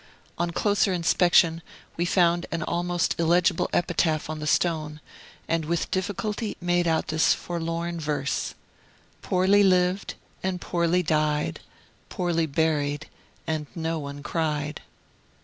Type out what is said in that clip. On closer inspection, we found an almost illegible epitaph on the stone, and with difficulty made out this forlorn verse: "Poorly lived, And poorly died, Poorly buried, And no one cried."